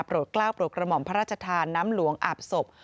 กล้าวโปรดกระหม่อมพระราชทานน้ำหลวงอาบศพ